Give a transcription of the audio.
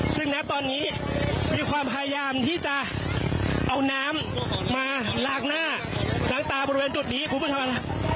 ซึ่งณตอนนี้มีความพยายามที่จะเอาน้ำมาลากหน้าล้างตาบริเวณจุดนี้คุณผู้ชม